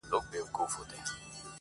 • اچيل یې ژاړي، مړ یې پېزوان دی.